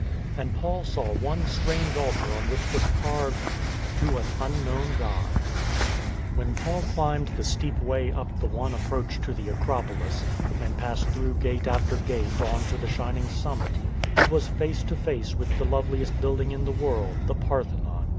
And Paul saw one strange altar on which was carved: TO AN UNKNOWN GOD (ArNJ22TQ GEfl) When Paul climbed the steep way up the one ap proach to the Acropolis, and passed through gate after gate on to the shining summit, he was face to face with the loveliest building in the world, the Parthenon.